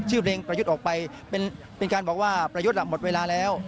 เพลงประยุทธ์ออกไปเป็นการบอกว่าประยุทธ์หมดเวลาแล้ว